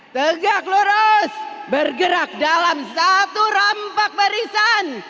tegak lurus bergerak dalam satu rampak barisan